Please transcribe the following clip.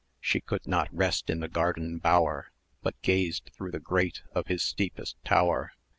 She could not rest in the garden bower, But gazed through the grate of his steepest tower.